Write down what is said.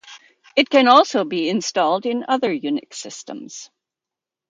It can also be installed in other Unix systems.